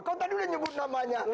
kan tadi udah nyebut namanya